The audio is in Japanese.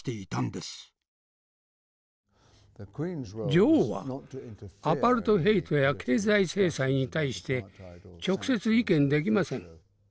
女王はアパルトヘイトや経済制裁に対して直接意見できません。